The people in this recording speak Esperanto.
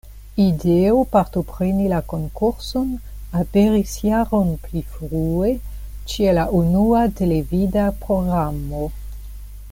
Ideo partopreni la konkurson aperis jaron pli frue, ĉe la unua televida programo.